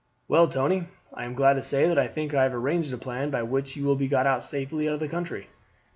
"Well, Tony, I am glad to say that I think I have arranged a plan by which you will be got safely out of the country.